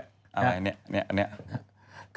อะไรนี่นี่อันเนี่ย